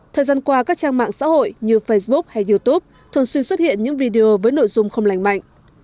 thời gian qua các trang mạng xã hội như facebook hay youtube thường xuyên xuất hiện những video với nội dung không lành mạnh